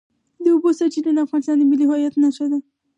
د اوبو سرچینې د افغانستان د ملي هویت نښه ده.